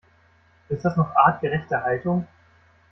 Ist das noch artgerechte Haltung?